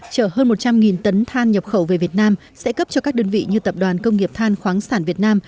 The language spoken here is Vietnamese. chở hơn một trăm linh tấn than nhập khẩu về việt nam sẽ cấp cho các đơn vị như tập đoàn công nghiệp than khoáng sản việt nam